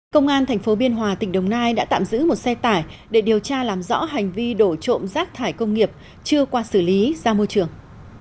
công an tp biên hòa tỉnh đồng nai đã tạm giữ một xe tải để điều tra làm rõ hành vi đổ trộm rác thải công nghiệp chưa qua xử lý ra môi trường